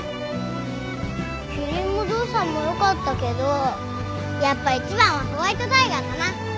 んーキリンもゾウさんもよかったけどやっぱ一番はホワイトタイガーかな。